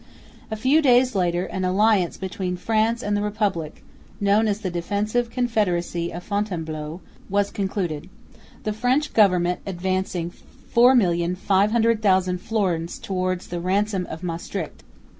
A few days later an alliance between France and the Republic, known as "the Defensive Confederacy" of Fontainebleau, was concluded, the French government advancing 4,500,000 florins towards the ransom of Maestricht.